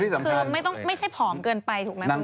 คือไม่ใช่ผอมเกินไปถูกไหมคุณ